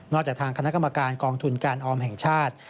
จากทางคณะกรรมการกองทุนการออมแห่งชาติ